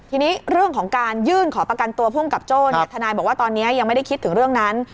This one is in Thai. ทีนี้เรื่องของการยื่นขอประกันตัวภูมิกับโจ้เนี่ยทนายบอกว่าตอนนี้ยังไม่ได้คิดถึงเรื่องนั้น